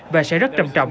và sẽ rất trầm trọng